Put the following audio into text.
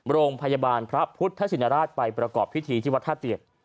โรงพยาบาลพระพุทธชินราชไปประกอบพิธีที่วัดท่าเตียด